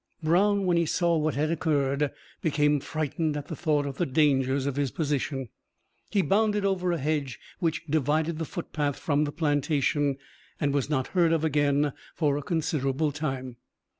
Brown, when he saw what had occurred, became frightened at the thought of the dangers of his position. He bounded over a hedge which divided the footpath from the plantation, and was not heard of again for a considerable time.